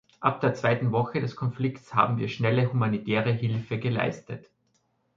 Ab der zweiten Woche des Konflikts haben wir schnelle humanitäre Hilfe geleistet.